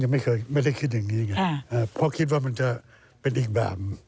๔ปีนี้ยังไม่พอนะเวลา